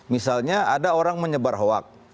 misalnya ada orang menyebar hoak